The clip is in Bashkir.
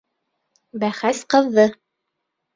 Бәхәс ҡыҙҙы.